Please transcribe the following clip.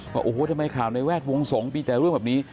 ว่าโอ้โหทำไมข่าวในแวดวงสงฆ์มีแต่เรื่องแบบนี้